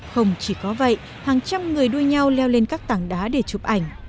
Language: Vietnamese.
không chỉ có vậy hàng trăm người đua nhau leo lên các tảng đá để chụp ảnh